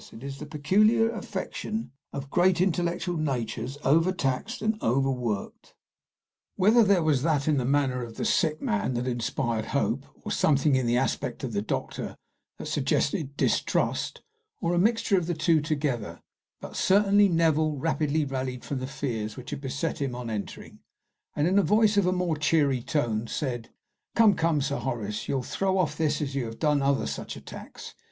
It is the peculiar affection of great intellectual natures over taxed and over worked." Whether there was that in the manner of the sick man that inspired hope, or something in the aspect of the doctor that suggested distrust, or a mixture of the two together, but certainly Neville rapidly rallied from the fears which had beset him on entering, and in a voice of a more cheery tone, said, "Come, come, Sir Horace, you 'll throw off this as you have done other such attacks.